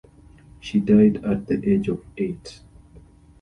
She died at the age of eight.